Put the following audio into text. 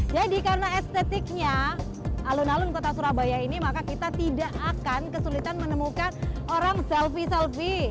jadi karena estetiknya alun alun kota surabaya ini maka kita tidak akan kesulitan menemukan orang selfie selfie